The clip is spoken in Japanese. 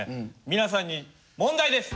皆さんに問題です。